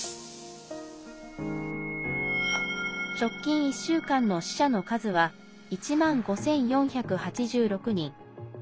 直近１週間の死者の数は１万５４８６人。